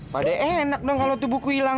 padahal enak dong kalau itu buku hilang